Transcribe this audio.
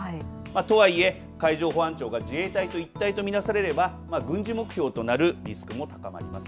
とはいえ海上保安庁が自衛隊と一体と見なされれば軍事目標となるリスクも高まります。